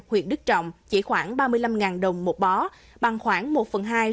huyện đức trọng chỉ khoảng ba mươi năm đồng một bó bằng khoảng một phần hai